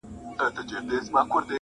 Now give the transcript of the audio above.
اول کوه احتياط، اوستری مه کوه پسات.